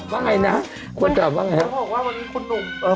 ว่าไงนะคุณตอบว่าไงครับแล้วเขาบอกว่าวันนี้คุณหนุ่มเออ